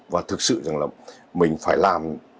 và thực sự rằng là mình phải làm